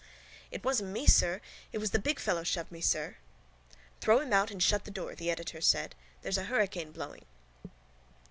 —It wasn't me, sir. It was the big fellow shoved me, sir. —Throw him out and shut the door, the editor said. There's a hurricane blowing.